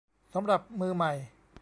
สำหรับมือใหม่